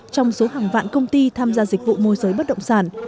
trong số hàng vạn công ty tham gia dịch vụ môi giới bất động sản